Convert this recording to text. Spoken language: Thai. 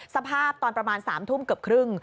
สภาพตอนประมาณ๓ทุ่มเกือบครึ่ง